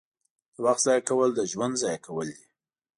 • د وخت ضایع کول د ژوند ضایع کول دي.